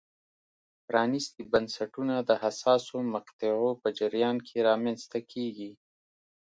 پرانیستي بنسټونه د حساسو مقطعو په جریان کې رامنځته کېږي.